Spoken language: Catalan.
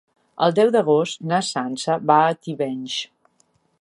El deu d'agost na Sança va a Tivenys.